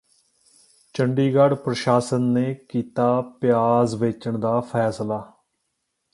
ਚੰਡੀਗੜ੍ਹ ਪ੍ਰਸ਼ਾਸਨ ਨੇ ਕੀਤਾ ਪਿਆਜ਼ ਵੇਚਣ ਦਾ ਫੈਸਲਾ